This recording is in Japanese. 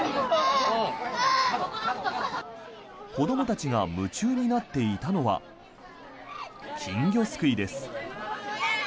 子どもたちが夢中になっていたのは金魚すくいです。